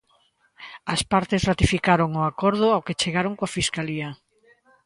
As partes ratificaron o acordo ao que chegaron coa fiscalía.